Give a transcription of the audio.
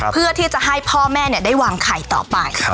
เพื่อที่จะให้พ่อแม่ได้วางไข่ต่อไป